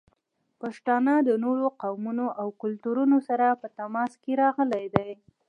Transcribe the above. پښتانه د نورو قومونو او کلتورونو سره په تماس کې راغلي دي.